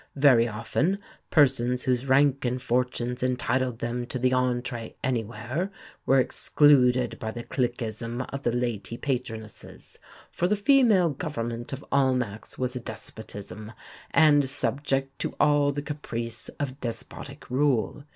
Very often persons whose rank and fortunes entitled them to the entrée anywhere, were excluded by the cliqueism of the Lady patronesses; for the female government of Almack's was a despotism, and subject to all the caprice of despotic rule.